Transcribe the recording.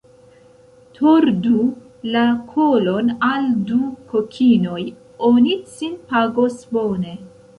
Tordu la kolon al du kokinoj, oni cin pagos bone.